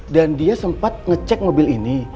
dan dia sempat ngecek mobil ini